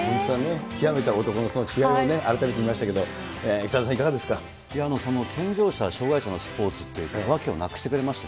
きわめた男の違いを改めて見ましたけれども、北澤さん、健常者、障がい者のスポーツって枠をなくしてくれましたし。